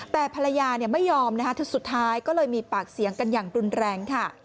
แต่ภรรยาไม่ยอมนะคะสุดท้ายก็เลยมีปากเสียงกันอย่างรุนแรงค่ะ